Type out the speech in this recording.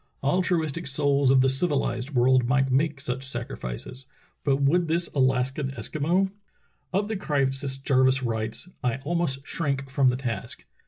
Al truistic souls of the civilized world might make such sacrifices, but would this Alaskan Eskimo.'' Of the crisis Jarvis writes: *T almost shrank from the task.